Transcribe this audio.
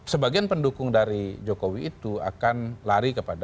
sebagian pendukung dari jokowi itu akan lari ke pramowo